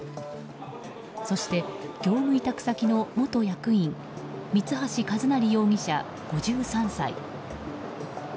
そして、業務委託先の元役員三橋一成容疑者、５３歳。